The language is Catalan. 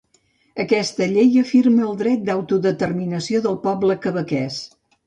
Aquesta llei afirma el dret d’autodeterminació del poble quebequès.